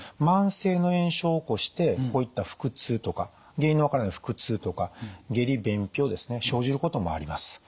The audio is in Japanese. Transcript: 慢性の炎症を起こしてこういった腹痛とか原因の分からない腹痛とか下痢便秘をですね生じることもあります。